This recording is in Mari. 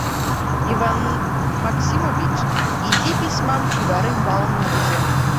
Иван Максимович изи письмам кӱвар ӱмбалне ужо.